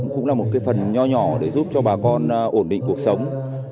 cũng là một cái phần nhỏ nhỏ để giúp cho bà con ổn định cuộc sống